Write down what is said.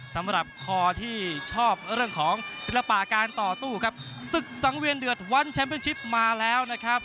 สำหรับคอที่ชอบเรื่องของศิลปะการต่อสู้ครับศึกสังเวียนเดือดวันแชมเป็นชิปมาแล้วนะครับ